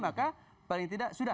maka paling tidak sudah